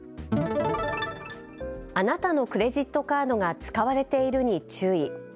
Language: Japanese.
あなたのクレジットカードが使われているに注意。